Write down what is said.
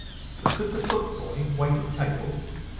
But could the footboy wait at table?